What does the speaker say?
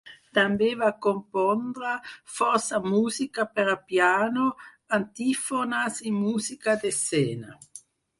També va compondre força música per a piano, antífones i música d'escena.